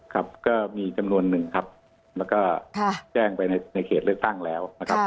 ครับก็มีจำนวนหนึ่งครับแล้วก็แจ้งไปในเขตเลือกตั้งแล้วนะครับ